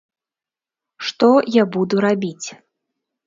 Што я буду рабіць?